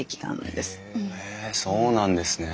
へえそうなんですね。